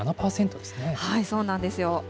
そうなんですよ。